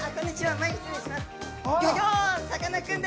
前、失礼します。